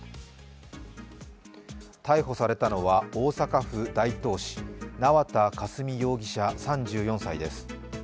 逮捕されたのは、大阪府大東市縄田佳純容疑者３４歳です。